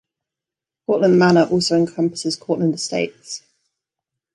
Cortlandt Manor also encompasses Cortlandt Estates.